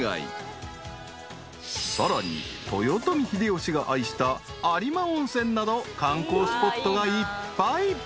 ［さらに豊臣秀吉が愛した有馬温泉など観光スポットがいっぱい］